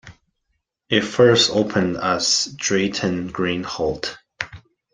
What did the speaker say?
It first opened as Drayton Green Halt.